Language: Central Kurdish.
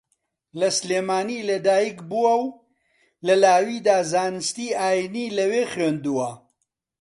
لە سلێمانی لەدایکبووە و لە لاویدا زانستی ئایینی لەوێ خوێندووە